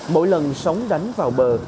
mỗi lần sóng đánh vào bờ